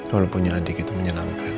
walaupunnya adik itu menyelam ke rina